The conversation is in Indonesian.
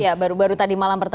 ya baru baru tadi malam pertemuan